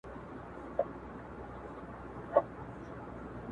ما د زهرو پیاله نوش کړه د اسمان استازی راغی٫